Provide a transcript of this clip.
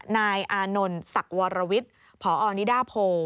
นายอานนท์ศักดิ์วรวิทย์พอนิดาโพ